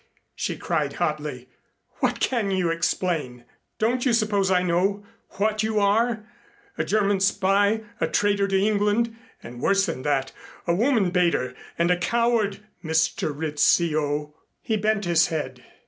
she cried hotly. "What can you explain? Don't you suppose I know what you are? A German spy, a traitor to England, and worse than that a woman baiter and a coward, Mr. Rizzio." He bent his head.